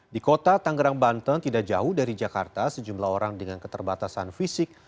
di kota tanggerang banten tidak jauh dari jakarta sejumlah orang dengan keterbatasan fisik